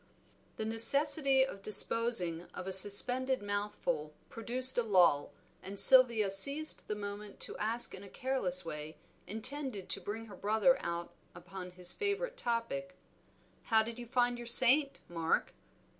The necessity of disposing of a suspended mouthful produced a lull, and Sylvia seized the moment to ask in a careless way, intended to bring her brother out upon his favorite topic, "How did you find your saint, Mark?"